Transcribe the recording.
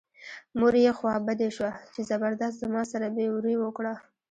مور یې خوا بډۍ شوه چې زبردست زما سره بې وري وکړه.